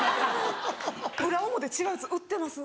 裏表違うやつ売ってます。